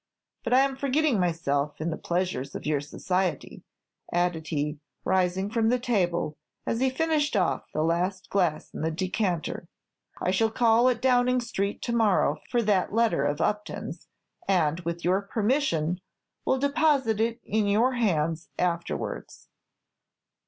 But I am forgetting myself in the pleasure of your society," added he, rising from the table, as he finished off the last glass in the decanter. "I shall call at Downing Street to morrow for that letter of Upton's, and, with your permission, will deposit it in your hands afterwards."